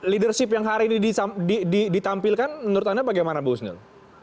leadership yang hari ini ditampilkan menurut anda bagaimana bu husnil